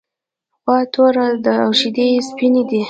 غوا توره ده او شیدې یې سپینې دي.